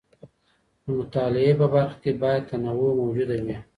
د مطالعې په برخه کي باید تنوع موجوده وي.